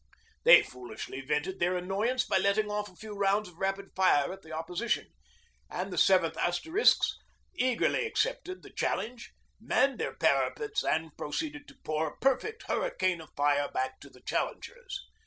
They foolishly vented their annoyance by letting off a few rounds of rapid fire at the opposition, and the 7th Asterisks eagerly accepted the challenge, manned their parapets and proceeded to pour a perfect hurricane of fire back to the challengers.